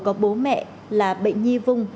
có bố mẹ là bệnh nhi vụ